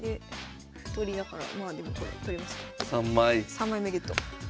３枚目ゲット。